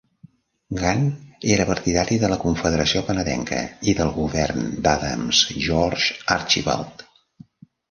Gunn era partidari de la Confederació canadenca i del govern d'Adams George Archibald.